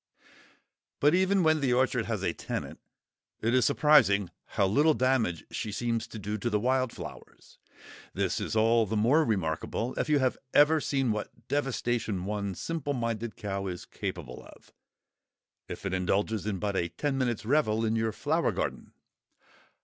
But even when the orchard has a tenant, it is surprising how little damage she seems to do to the wild flowers. This is all the more remarkable if you have ever seen what devastation one simple minded cow is capable of, if it indulges in but a ten minutes' revel in your flower garden!